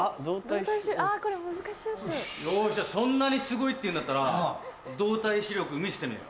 よしそんなにすごいって言うんだったら動体視力見せてみろ。